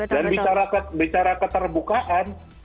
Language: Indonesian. dan bicara keterbukaan